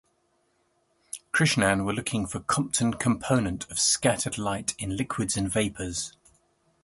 Krishnan were looking for "Compton component" of scattered light in liquids and vapors.